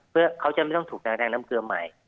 เพื่อเขาจะไม่ต้องถูกแรงน้ำเกลือใหม่